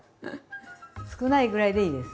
少ないぐらいでいいです。